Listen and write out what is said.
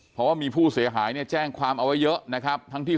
เพราะว่ามีผู้เสียหายเนี่ยแจ้งความเอาไว้เยอะนะครับ